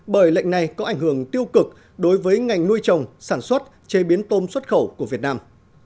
bởi lệnh này có ảnh hưởng tiêu cực đối với ngành nuôi trồng sản xuất chế biến tôm xuất khẩu của việt nam